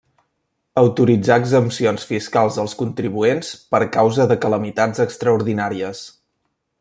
Autoritzar exempcions fiscals als contribuents per causa de calamitats extraordinàries.